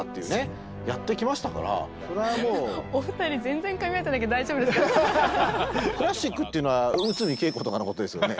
お二人クラシックっていうのは内海桂子とかのことですよね？